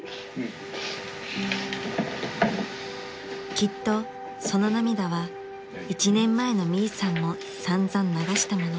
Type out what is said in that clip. ［きっとその涙は１年前のミイさんも散々流したもの］